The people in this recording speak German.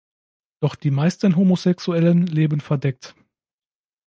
Doch die meisten Homosexuellen leben verdeckt.